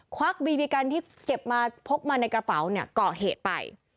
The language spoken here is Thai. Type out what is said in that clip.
วักบีบีกันที่เก็บมาพกมาในกระเป๋าเนี่ยก่อเหตุไป